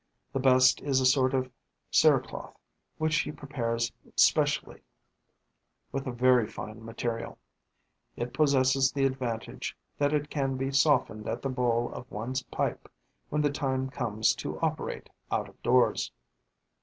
The best is a sort of cerecloth which he prepares specially with a very fine material. It possesses the advantage that it can be softened at the bowl of one's pipe when the time comes to operate out of doors.